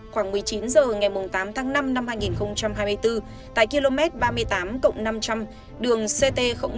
khoảng một mươi chín h ngày tám tháng năm năm hai nghìn hai mươi bốn tại km ba mươi tám cộng năm trăm linh đường ct một